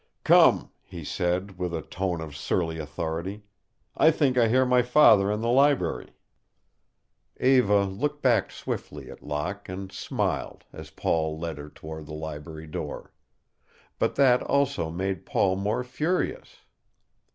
"Come," he said, with a tone of surly authority, "I think I hear my father in the library." Eva looked back swiftly at Locke and smiled as Paul led her toward the library door. But that, also, made Paul more furious.